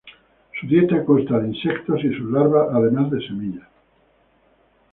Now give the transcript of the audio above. Su dieta consta de insectos y sus larvas además de semillas.